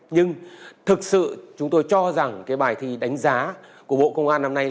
nhưng thực sự chúng tôi cho rằng cái bài thi đánh giá của bộ công an năm nay